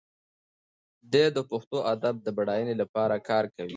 دی د پښتو ادب د بډاینې لپاره کار کوي.